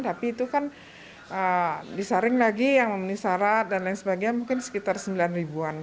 tapi itu kan disaring lagi yang memenuhi syarat dan lain sebagainya mungkin sekitar sembilan ribuan